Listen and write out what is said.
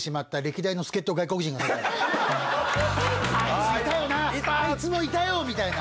あいついたよなあいつもいたよみたいな。